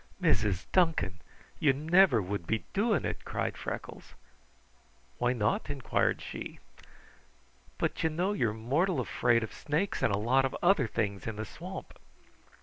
"Mrs. Duncan! You never would be doing it," cried Freckles. "Why not?" inquired she. "But you know you're mortal afraid of snakes and a lot of other things in the swamp."